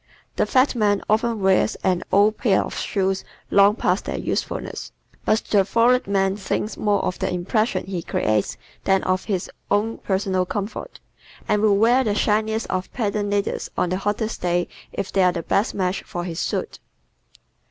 The fat man often wears an old pair of shoes long past their usefulness, but the florid man thinks more of the impression he creates than of his own personal comfort, and will wear the shiniest of patent leathers on the hottest day if they are the best match for his suit.